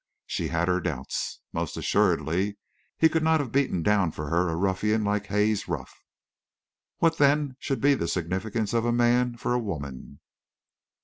She had her doubts. Most assuredly he could not have beaten down for her a ruffian like Haze Ruff. What then should be the significance of a man for a woman?